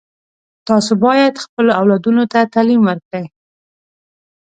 تاسو باید خپلو اولادونو ته تعلیم ورکړئ